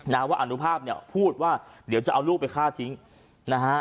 ว่าอนุภาพเนี่ยพูดว่าเดี๋ยวจะเอาลูกไปฆ่าทิ้งนะฮะ